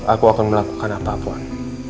aku akan melakukan apa puan